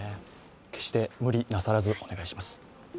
決して無理なさらずお願いします。